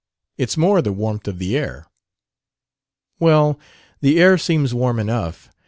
"It's more the warmth of the air." "Well, the air seems warm enough.